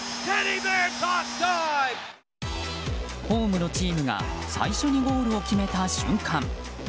ホームのチームが最初にゴールを決めた瞬間